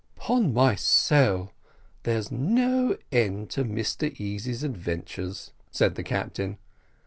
"Upon my soul, there's no end to Mr Easy's adventures," said the captain.